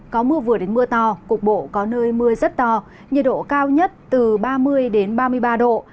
có mưa vừa đến mưa to cục bộ có nơi mưa rất to nhiệt độ cao nhất từ ba mươi ba mươi ba độ